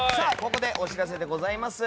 ここでお知らせでございます。